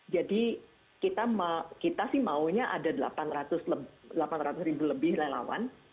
jadi kita sih maunya ada delapan ratus ribu lebih relawan